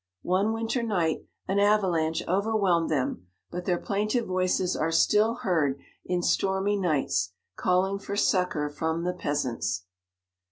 One winter night an avelanche overwhelmed them, but their plaintive voices are still heard in stormy nights, calling for succour from the peasants.